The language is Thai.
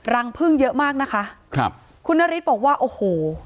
รังพึ่งเยอะมากนะคะครับคุณนฤทธิ์บอกว่าโอ้โห